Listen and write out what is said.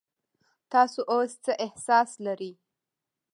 تاسو اوس څه احساس لرئ؟